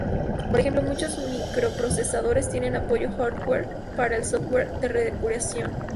Por ejemplo, muchos microprocesadores tienen apoyo hardware para el software de depuración.